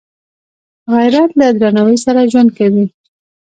غیرت له درناوي سره ژوند کوي